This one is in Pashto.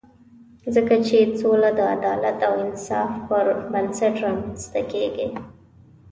ځکه چې سوله د عدالت او انصاف پر بنسټ رامنځته کېږي.